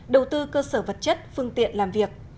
đầu tư cơ sở vật chất phương tiện làm việc